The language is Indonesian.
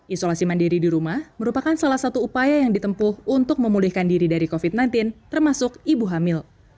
isolasi mandiri di rumah merupakan salah satu upaya yang ditempuh untuk memulihkan diri dari covid sembilan belas termasuk ibu hamil